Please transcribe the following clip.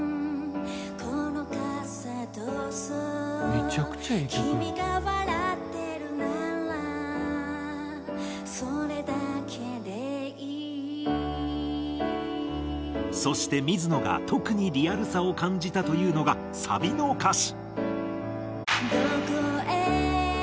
「めちゃくちゃええ曲やん」そして水野が特にリアルさを感じたというのがサビの歌詞。